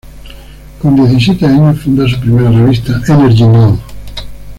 Con diecisiete años funda su primera revista, "Energie Nove".